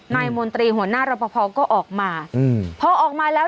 นายมนตรีหัวหน้ารับภพอก็ออกมาพอออกมาแล้ว